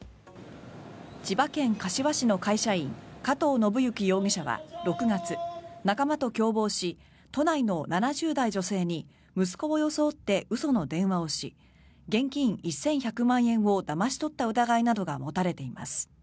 千葉県柏市の会社員加藤信行容疑者は６月仲間と共謀し都内の７０代女性に息子を装って嘘の電話をし現金１１００万円をだまし取った疑いなどが持たれています。